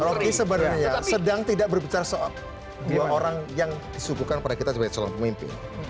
rocky sebenarnya sedang tidak berbicara soal dua orang yang disuguhkan pada kita sebagai calon pemimpin